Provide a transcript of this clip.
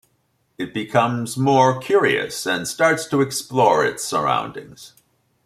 It becomes more curious and starts to explore its surroundings.